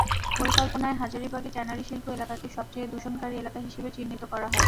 পরিকল্পনায় হাজারীবাগের ট্যানারিশিল্প এলাকাকে সবচেয়ে দূষণকারী এলাকা হিসেবে চিহ্নিত করা হয়।